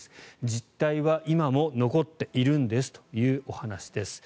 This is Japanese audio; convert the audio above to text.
実態は今も残っているんですというお話です。